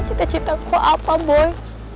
cita citaku apa boy